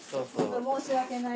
申し訳ない。